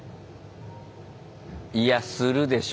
いやするでしょ。